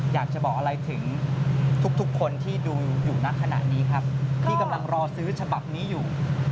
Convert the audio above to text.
อยากจะบอกอะไรถึงทุกคนที่ดูอยู่ในขณะนี้ครับที่กำลังรอซื้อฉบับนี้อยู่